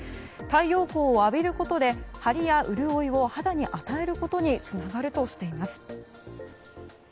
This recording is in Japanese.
太陽光を浴びることでハリや潤いを肌に与えることにつながるとしています。